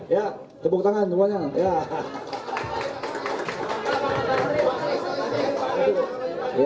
ya tepuk tangan semuanya